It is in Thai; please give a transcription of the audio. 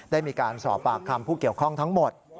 ได้มีการสอบปากคำผู้เกี่ยวข้องทั้งหมด